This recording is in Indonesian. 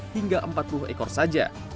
hingga empat puluh ekor saja